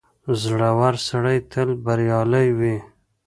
• زړور سړی تل بریالی وي.